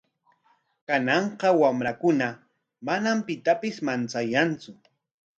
Kananqa wamrakuna manam pitapis manchayantsu.